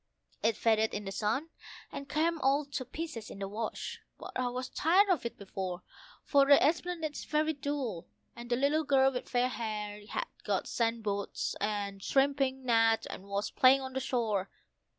It faded in the sun, and came all to pieces in the wash; but I was tired of it before. For the esplanade is very dull, and the little girl with fair hair had got sand boots and a shrimping net and was playing on the shore.